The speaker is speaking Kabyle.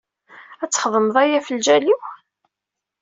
Ad txedmeḍ aya ɣef lǧal-iw?